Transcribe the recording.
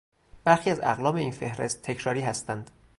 برخی از اقلام این فهرست تکراری هستند.